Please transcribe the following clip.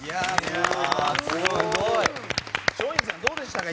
すごい！松陰寺さんどうでしたか？